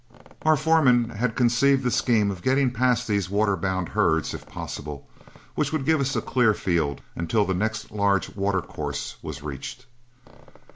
Our foreman had conceived the scheme of getting past these waterbound herds, if possible, which would give us a clear field until the next large watercourse was reached.